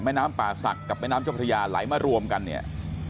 น้ำป่าศักดิ์กับแม่น้ำเจ้าพระยาไหลมารวมกันเนี่ย